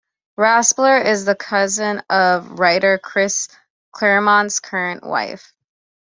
Raspler is the cousin of writer Chris Claremont's current wife.